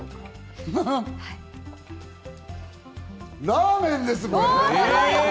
ラーメンですこれ！